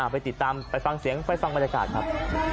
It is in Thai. ไปติดตามไปฟังเสียงไปฟังบรรยากาศครับ